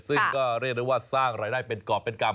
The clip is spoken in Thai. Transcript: ซึ่งก็เรียกได้ว่าสร้างรายได้เป็นกรอบเป็นกรรม